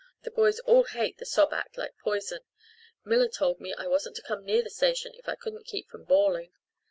"The boys all hate the sob act like poison. Miller told me I wasn't to come near the station if I couldn't keep from bawling.